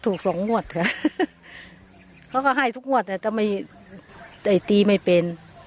ก็ถูกสองหมวดค่ะเขาก็ให้ทุกหมวดแต่ไอ้ตีไม่เป็น